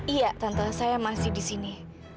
iya tantangan saya masih di sini